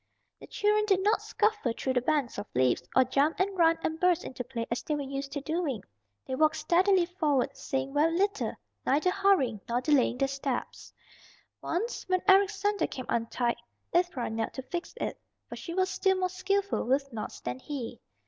The children did not scuffle through the banks of leaves, or jump and run and burst into play as they were used to doing. They walked steadily forward, saying very little, neither hurrying nor delaying their steps. Once when Eric's sandal came untied Ivra knelt to fix it, for she was still more skillful with knots than he.